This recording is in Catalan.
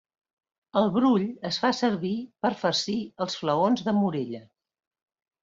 El brull es fa servir per farcir els flaons de Morella.